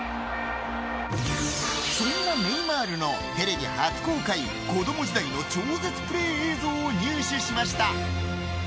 そんなネイマールのテレビ初公開子供時代の超絶プレー映像を入手しました。